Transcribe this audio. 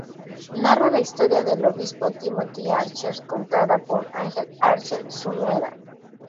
Narra la historia del obispo Timothy Archer contada por Angel Archer, su nuera.